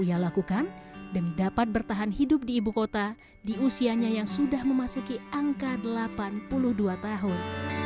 ia lakukan demi dapat bertahan hidup di ibu kota di usianya yang sudah memasuki angka delapan puluh dua tahun